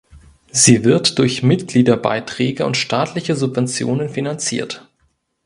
Sie wird durch Mitgliederbeiträge und staatliche Subventionen finanziert.